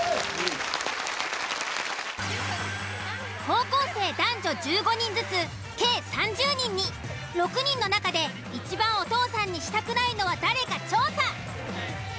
高校生男女１５人ずつ計３０人に６人の中でいちばんお父さんにしたくないのは誰か調査。